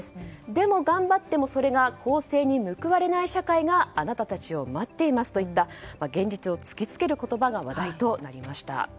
でも頑張ってもそれが公正に報われない社会があなたたちを待っていますといった現実を突きつける言葉が話題となりました。